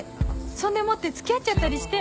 そんでもって付き合っちゃったりして